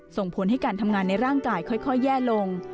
ส่งผลให้การทำงานในร่างกายค่อยแย่ลง